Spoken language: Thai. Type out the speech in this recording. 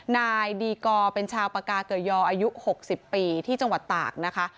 นายดีกอร์เป็นชาวปากาเกยออายุ๖๐ปีที่จังหวัดตากนะคะ